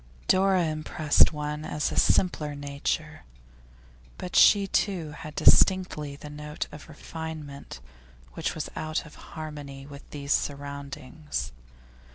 Dora impressed one as a simpler nature, but she too had distinctly the note of refinement which was out of harmony with these surroundings.